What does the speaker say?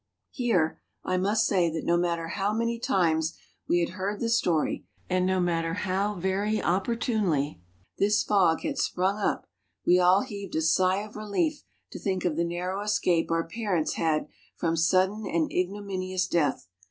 [Here I must say that no matter how many times we had heard the story and no matter how very opportunely this fog had sprung up, we all heaved a sigh of relief to think of the narrow escape our parents had from sudden and ignominious death.